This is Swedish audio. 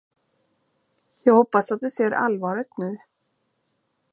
Jag hoppas att du ser allvaret nu.